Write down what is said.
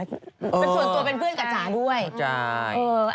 ส่วนเป็นเพื่อนกับจ๋าด้วย